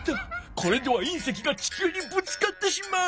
これでは隕石が地球にぶつかってしまう！